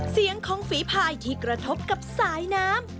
เสียงของฝีภายที่กระทบกับสายน้ำ